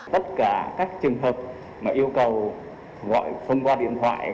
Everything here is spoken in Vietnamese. tất cả các trường hợp mà yêu cầu gọi thông qua điện thoại